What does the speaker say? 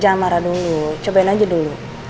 jangan marah dulu cobain aja dulu